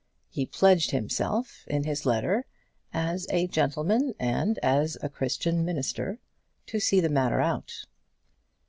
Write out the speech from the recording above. He pledged himself, in his letter, as a gentleman and as a Christian minister, to see the matter out.